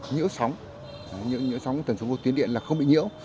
nhỡ sóng nhỡ sóng tầng số vô tuyến điện là không bị nhỡ